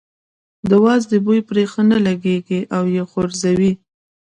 د وازدې بوی پرې ښه نه دی لګېدلی او یې ځوروي.